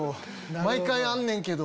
「毎回あんねんけど」。